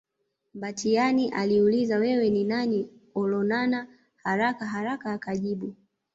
Mbatiany aliuliza wewe ni nani Olonana haraka haraka akajibu